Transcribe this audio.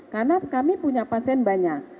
karena kami punya pasien banyak